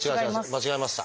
間違えました。